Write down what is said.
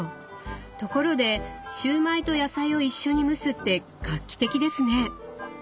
ところでシューマイと野菜を一緒に蒸すって画期的ですね！